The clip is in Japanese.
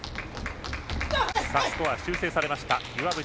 スコアが修正されました。